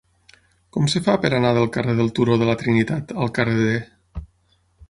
Com es fa per anar del carrer del Turó de la Trinitat al carrer D?